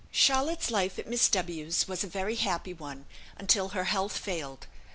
Charlotte's life at Miss W 's was a very happy one, until her health failed.